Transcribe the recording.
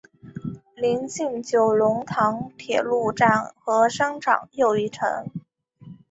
邻近九龙塘铁路站和商场又一城。